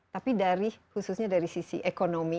tapi dari khususnya dari sisi ekonomi